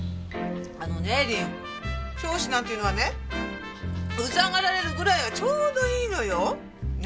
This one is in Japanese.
あのねりん教師なんていうのはねうざがられるぐらいがちょうどいいのよ。ね？